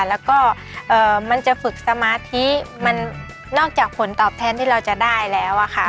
แล้วก็มันจะฝึกสมาธิมันนอกจากผลตอบแทนที่เราจะได้แล้วอะค่ะ